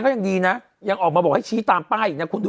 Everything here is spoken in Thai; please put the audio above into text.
เขาไม่ผิด